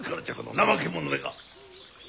怠け者めが。